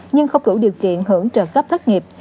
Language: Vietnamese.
nhưng không đủ điều kiện hưởng trợ cấp thất nghiệp